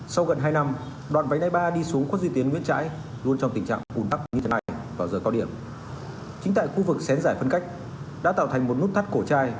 sau gần hai năm đoạn váy đáy ba đi xuống khuất duy tiến nguyễn trãi